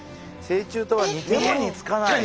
成虫とは似ても似つかない。